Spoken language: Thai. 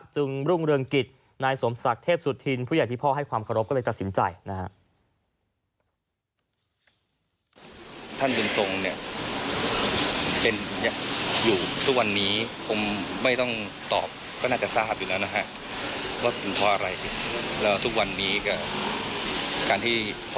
จึงรุ่งเรืองกิจนายสมศักดิ์เทพสุธินผู้ใหญ่ที่พ่อให้ความเคารพก็เลยตัดสินใจนะฮะ